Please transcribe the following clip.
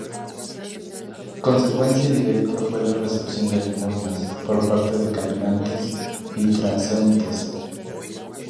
Consecuencia directa fue la recepción de limosnas por parte de caminantes y transeúntes.